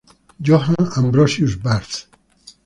Johann Ambrosius Barth.